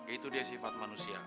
itu dia sifat manusia